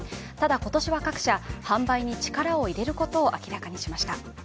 ただ今年は各社、販売に力を入れることを明らかにしました。